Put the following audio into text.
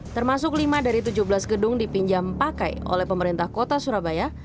termasuk lima dari tujuh belas gedung dipinjam pakai oleh pemerintah kota surabaya